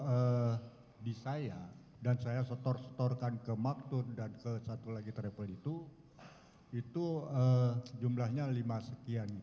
kalau di saya dan saya setor setorkan ke maktun dan ke satu lagi travel itu itu jumlahnya lima sekian